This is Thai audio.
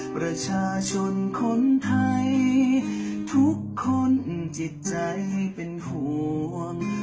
ประชาชนคนไทยทุกคนจิตใจเป็นห่วง